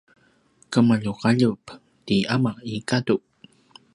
qemaljuqaljup ti ama i gadu